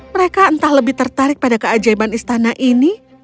mereka entah lebih tertarik pada keajaiban istana ini